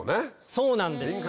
そうなんですよ。